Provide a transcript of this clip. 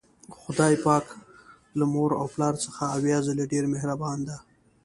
خدای پاک له مور او پلار څخه اویا ځلې ډیر مهربان ده